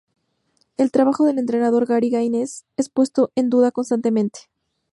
El trabajo del entrenador Gary Gaines es puesto en duda constantemente.